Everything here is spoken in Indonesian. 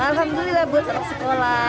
alhamdulillah bu terima kasih